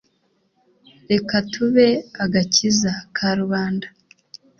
reka tube agakiza ka rubanda